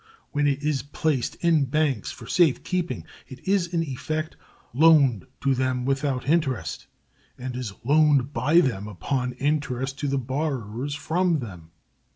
When it is placed in banks for safe keeping, it is in effect loaned to them without interest, and is loaned by them upon interest to the borrowers from them.